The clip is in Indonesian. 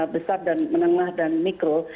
besar dan menengah dan mikro